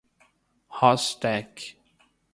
Rostec